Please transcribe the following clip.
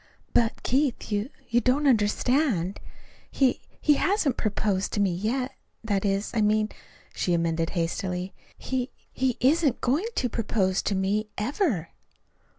"But, Keith, you you don't understand. He he hasn't proposed to me yet. That is, I mean," she amended hastily, "he he isn't going to propose to me ever."